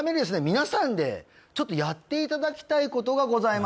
皆さんでちょっとやっていただきたいことがございます